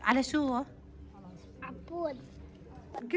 karena kami sudah berpikir bahwa korban tersebut terkena penyakit